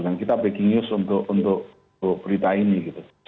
dan kita breaking news untuk berita ini gitu